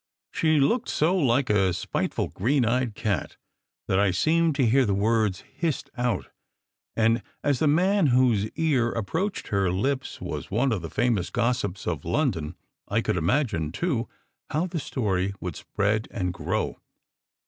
She looked so like a spiteful, green eyed cat, that I seemed to hear the words hissed out; and as the man whose ear approached her lips was one of the famous gossips of London, I could imagine, too, how the story would spread and grow.